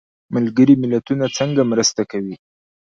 ملګري ملتونه څنګه مرسته کوي؟